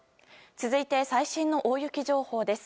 続いて最新の大雪情報です。